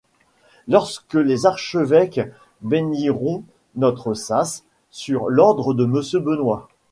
Lorsque les archevêques béniront notre sas, sur l'ordre de M. Benoit.